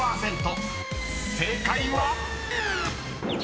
［正解は⁉］